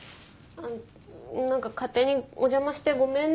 あっなんか勝手にお邪魔してごめんね。